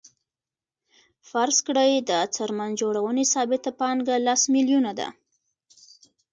فرض کړئ د څرمن جوړونې ثابته پانګه لس میلیونه ده